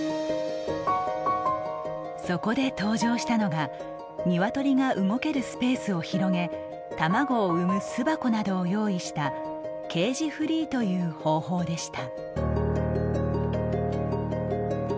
そこで登場したのが鶏が動けるスペースを広げ卵を産む巣箱などを用意したケージフリーという方法でした。